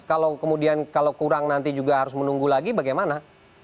kalau kemudian kalau kurang nanti juga harus menunggu lagi bagaimana